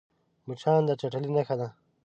مچان د چټلۍ نښه ده